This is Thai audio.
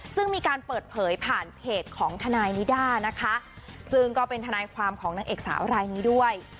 ซึ่งมีการเปิดเผยผ่านเพจของทนายนิด้านะคะซึ่งก็เป็นทนายความของนางเอกสาวรายนี้ด้วย